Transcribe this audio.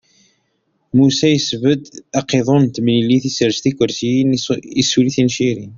Musa yesbedd aqiḍun n temlilit, isers tikersiyin, issuli tincirin, isɛedda iɛmuden, isbedd tigejda.